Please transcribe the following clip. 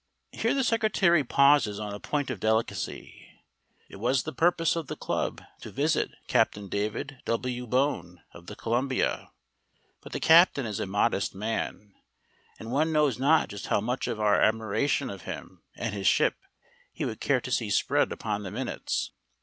Here the secretary pauses on a point of delicacy. It was the purpose of the club to visit Capt. David W. Bone of the Columbia, but the captain is a modest man, and one knows not just how much of our admiration of him and his ship he would care to see spread upon the minutes.